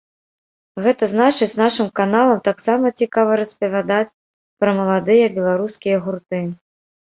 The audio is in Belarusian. Гэта значыць, нашым каналам таксама цікава распавядаць пра маладыя беларускія гурты.